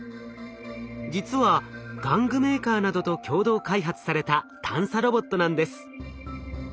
実は玩具メーカーなどと共同開発された探査ロボットなんです。